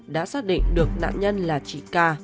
đã xác định được nạn nhân là chị ca